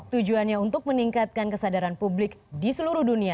tujuannya untuk meningkatkan kesadaran publik di seluruh dunia